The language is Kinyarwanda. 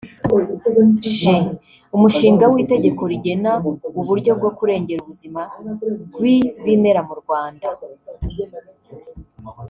j) Umushinga w’Itegeko rigena uburyo bwo kurengera ubuzima bw’ibimera mu Rwanda ;